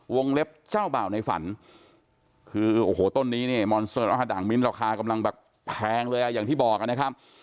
เล็บเจ้าบ่าวในฝันคือโอ้โหต้นนี้เนี่ยมอนเซอร์ร่าด่างมิ้นราคากำลังแบบแพงเลยอ่ะอย่างที่บอกนะครับ